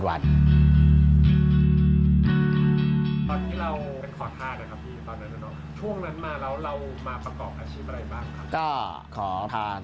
ตอนนี้เราเป็นขวดท่านะครับพี่ตอนนั้น